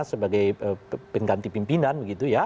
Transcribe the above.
sebagai pengganti pimpinan